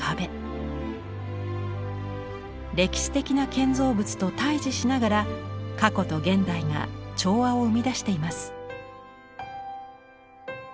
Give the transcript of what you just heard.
歴史的な建造物と対峙しながら過去と現代が調和を生み出しています。